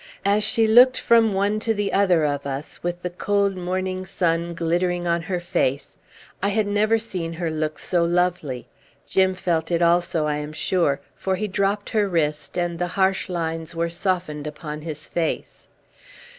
As she looked from one to the other of us, with the cold morning sun glittering on her face, I had never seen her look so lovely. Jim felt it also, I am sure; for he dropped her wrist, and the harsh lines were softened upon his face.